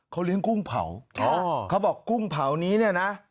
เขาเลี้ยงกุ้งเผาเขาบอกกุ้งเผานี้เนี่ยนะ